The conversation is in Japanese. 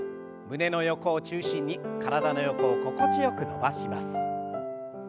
胸の横を中心に体の横を心地よく伸ばします。